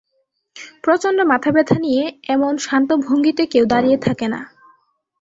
প্রচণ্ড মাথাব্যথা নিয়ে এমন শান্ত ভঙ্গিতে কেউ দাঁড়িয়ে থাকে না।